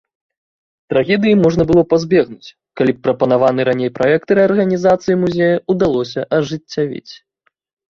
Трагедыі можна было пазбегнуць, калі б прапанаваны раней праект рэарганізацыі музея ўдалося ажыццявіць.